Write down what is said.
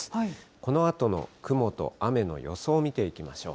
このあとの雲と雨の予想見ていきましょう。